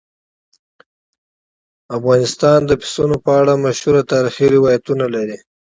افغانستان د پسونو په اړه مشهور تاریخي روایتونه لري.